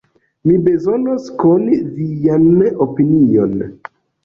Mi bezonos koni vian opinion.